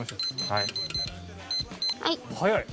はい。